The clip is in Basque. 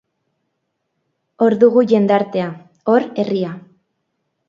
Hor dugu jendartea, hor herria.